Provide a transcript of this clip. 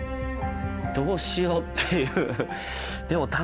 どうしようっていう。